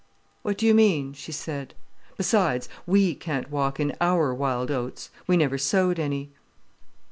"What do you mean?" she said. "Besides, we can't walk in our wild oats—we never sowed any."